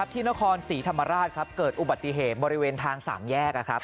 ที่นครศรีธรรมราชเกิดอุบัติเหตุบริเวณทางสามแยก